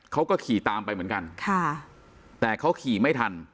เขาก็ขี่ตามไปเหมือนกันค่ะแต่เขาขี่ไม่ทัน